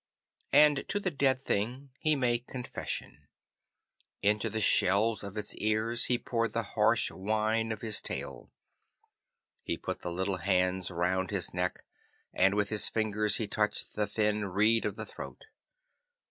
And to the dead thing he made confession. Into the shells of its ears he poured the harsh wine of his tale. He put the little hands round his neck, and with his fingers he touched the thin reed of the throat.